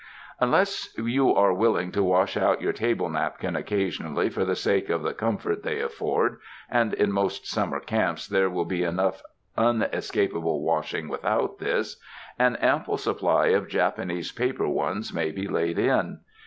Unless you are willing to wash out your table nap kins occasionally for the sake of the comfort they afford — and in most summer camps there will be enough unescapable washing without this — an ample supply of Japanese paper ones may be laid in.